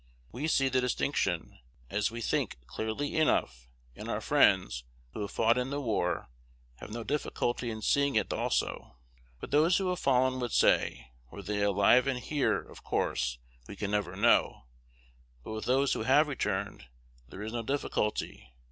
We see the distinction, as we think, clearly enough; and our friends, who have fought in the war, have no difficulty in seeing it also. What those who have fallen would say, were they alive and here, of course we can never know; but with those who have returned there is no difficulty.